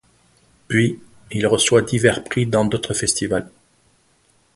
Puis, il reçoit divers prix dans d’autres festivals.